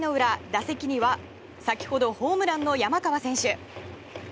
打席には先ほどホームランの山川選手。